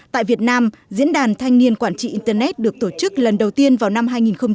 tại việt nam diễn đàn thanh niên quản trị internet được tổ chức lần đầu tiên vào năm hai nghìn một mươi chín